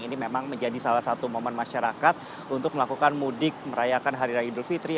ini memang menjadi salah satu momen masyarakat untuk melakukan mudik merayakan hari raya idul fitri